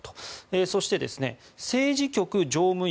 そして、政治局常務委員。